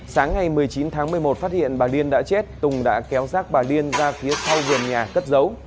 sáng ngày một mươi chín tháng một mươi một phát hiện bà liên đã chết tùng đã kéo rác bà liên ra phía sau vườn nhà cất giấu